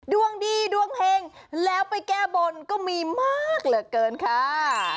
ดวงดีดวงเห็งแล้วไปแก้บนก็มีมากเหลือเกินค่ะ